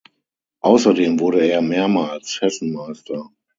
Außerdem wurde er mehrmals Hessenmeister.